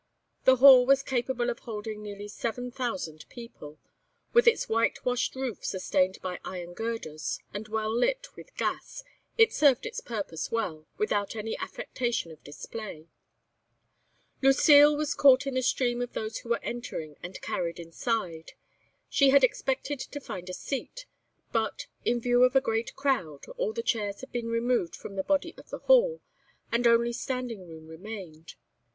The hall was capable of holding nearly seven thousand people; with its white washed roof sustained by iron girders, and well lit with gas, it served its purpose well without any affectation of display. Lucile was caught in the stream of those who were entering and carried inside. She had expected to find a seat, but, in view of a great crowd, all the chairs had been removed from the body of the hall, and only standing room remained.